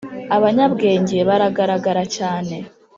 abanyabwenge baragaragara cyane